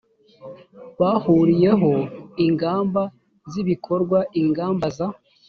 bahuriyeho ingamba z ibikorwa ingamba za